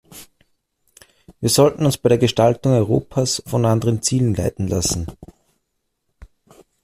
Wir sollten uns bei der Gestaltung Europas von anderen Zielen leiten lassen!